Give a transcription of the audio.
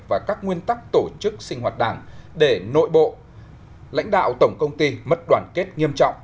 và các nguyên tắc tổ chức sinh hoạt đảng để nội bộ lãnh đạo tổng công ty mất đoàn kết nghiêm trọng